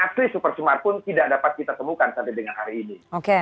yang dikenal sebagai super sumar pun tidak dapat kita temukan sampai dengan hari ini